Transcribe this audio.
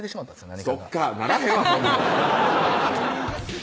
何かがそっかならへんわそんなん